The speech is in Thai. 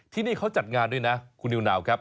ที่นี่เขาจัดงานด้วยนะคุณนิวนาวครับ